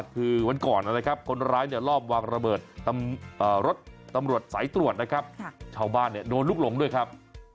คือวันก่อนคนร้ายลอบวางระเบิดรถตำรวจสายตรวจเช้าบ้านโดนลุกหลงด้วยครับ